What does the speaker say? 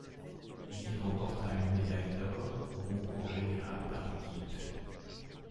Il y remporta une médaille d'or au concours général par équipes.